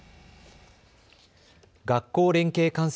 学校連携観戦